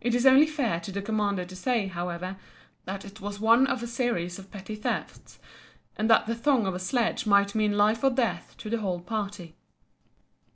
It is only fair to the commander to say, however, that it was one of a series of petty thefts, and that the thong of a sledge might mean life or death to the whole party.